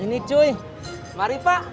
ini cuy mari pak